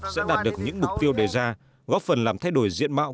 sẽ đạt được những mục tiêu đề ra góp phần làm thay đổi diện mạo